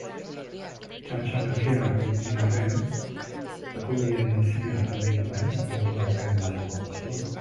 Txantxa merkea dirudien arren, ekologiaren izenean egin genuen motor horren aldeko apustua.